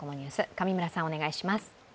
上村さん、お願いします。